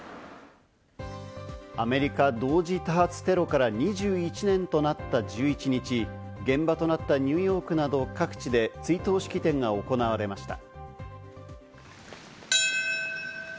アメリカ同時多発テロから２１年となった１１日、現場となったニューヨークなど各地で追悼式典が行われました。